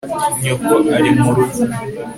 nyoko ari murugo